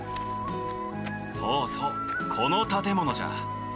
そうそうこの建物じゃ。